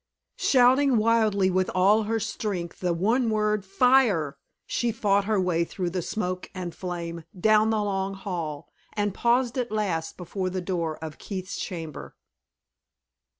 Shouting wildly with all her strength the one word "Fire!" she fought her way through the smoke and flame down the long hall, and paused at last before the door of Keith's chamber.